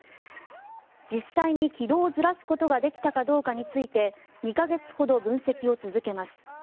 実際に機動をずらすことができたかどうかについて２か月ほど分析を続けます。